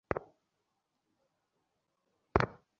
বুখারী ও মুসলিমের একটি হাদীসও এই মতকে সমর্থন করে।